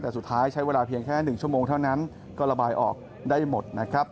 แต่สุดท้ายใช้เวลาเพียงแค่๑ชั่วโมงเท่านั้นก็ระบายออกได้หมดนะครับ